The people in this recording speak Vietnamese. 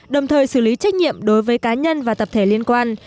đồng thời xử lý trách nhiệm đối với cá nhân và tập thể liên quan